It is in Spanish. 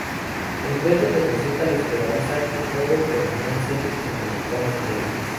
El verde que representa la esperanza que todo colimense y mexicano tiene.